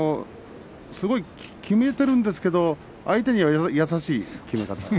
きめているんですけど相手には優しいきめ方です。